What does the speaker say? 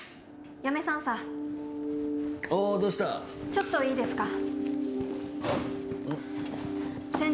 「ちょっといいですか？」